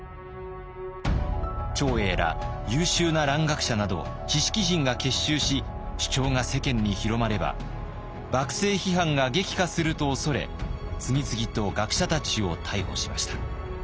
長英ら優秀な蘭学者など知識人が結集し主張が世間に広まれば幕政批判が激化すると恐れ次々と学者たちを逮捕しました。